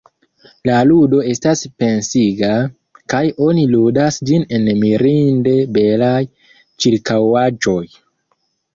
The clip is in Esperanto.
La ludo estas pensiga, kaj oni ludas ĝin en mirinde belaj ĉirkaŭaĵoj.